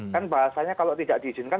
kan bahasanya kalau tidak diizinkan